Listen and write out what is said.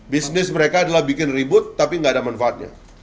bisnis mereka adalah bikin ribut tapi nggak ada manfaatnya